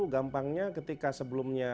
gampangnya ketika sebelumnya